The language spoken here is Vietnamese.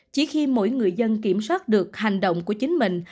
chỉ khi mỗi người dân kiểm soát được hành động của chính mình